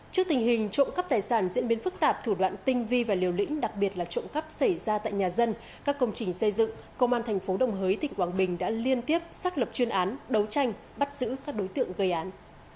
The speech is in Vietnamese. trước tình hình trộm cắp tài sản diễn biến phức tạp thủ đoạn tinh vi và liều lĩnh đặc biệt là trộm cắp xảy ra tại nhà dân các công trình xây dựng công an thành phố đồng hới tỉnh quảng bình đã liên tiếp xác lập chuyên án đấu tranh bắt giữ các đối tượng gây án